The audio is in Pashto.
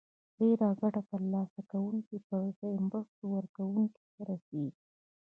ډیره ګټه د تر لاسه کوونکو پر ځای مرستو ورکوونکو ته رسیږي.